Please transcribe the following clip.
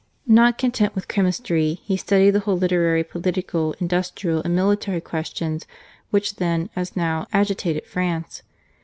Not content with chemistry, he studied the whole literary, political, industrial, and military questions which then, as now, agitated France.